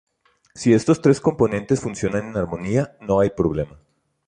Si estos tres componentes funcionan en armonía, no hay problema.